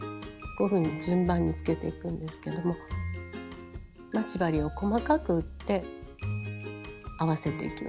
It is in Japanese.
こういうふうに順番につけていくんですけども待ち針を細かく打って合わせていきます。